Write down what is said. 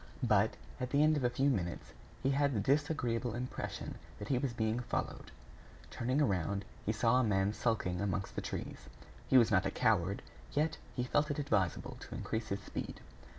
But, at the end of a few minutes, he had the disagreeable impression that he was being followed. Turning around, he saw a man skulking amongst the trees. He was not a coward; yet he felt it advisable to increase his speed.